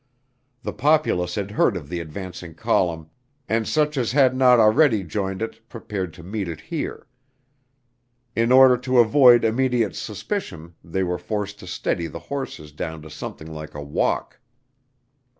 The populace had heard of the advancing column and such as had not already joined it prepared to meet it here. In order to avoid immediate suspicion, they were forced to steady the horses down to something like a walk.